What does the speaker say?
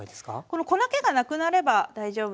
この粉けがなくなれば大丈夫です。